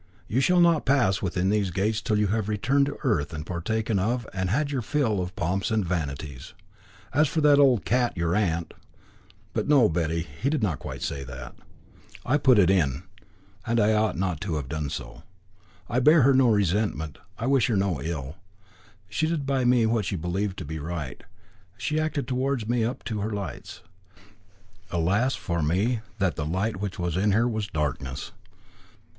You shall not pass within these gates till you have returned to earth and partaken of and had your fill of its pomps and vanities. As for that old cat, your aunt' but no, Betty, he did not say quite that; I put it in, and I ought not to have done so. I bear her no resentment; I wish her no ill. She did by me what she believed to be right. She acted towards me up to her lights; alas for me that the light which was in her was darkness!